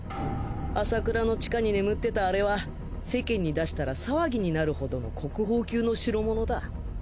麻倉の地下に眠ってたあれは世間に出したら騒ぎになるほどの国宝級の代物だ。